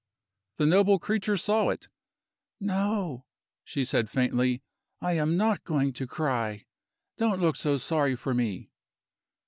The noble creature saw it. "No," she said faintly; "I am not going to cry. Don't look so sorry for me."